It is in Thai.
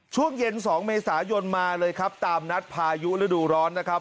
ช่วงเย็น๒เมษายนมาเลยครับตามนัดพายุฤดูร้อนนะครับ